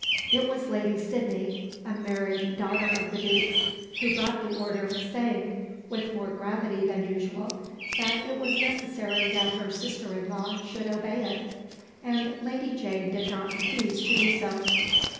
It was Lady Sydney, a married daughter of the Duke's, who brought the order, saying, "with more gravity than usual," that it was necessary that her sister in law should obey it; and Lady Jane did not refuse to do so.